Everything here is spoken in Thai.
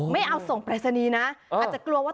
ไม่เอาส่งปรายศนีย์นะอาจจะกลัวว่า